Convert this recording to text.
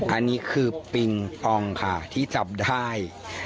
อันนี้คือปิงปองค่ะที่จับได้